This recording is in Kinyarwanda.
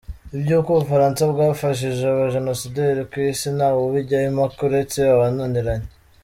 Iby’uko u Bufaransa bwafashije abajenosideri, ku isi ntawe ubijyaho impaka uretse abananiranye.